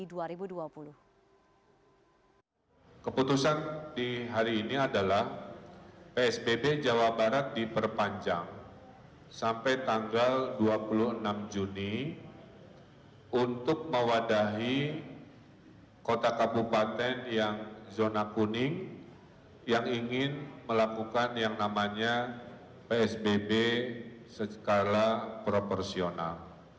keputusan di hari ini adalah psbb jawa barat diperpanjang sampai tanggal dua puluh enam juni untuk mewadahi kota kabupaten yang zona kuning yang ingin melakukan yang namanya psbb secara proporsional